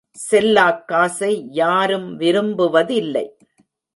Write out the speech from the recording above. Shellac காசை யாரும் விரும்புவதில்லை.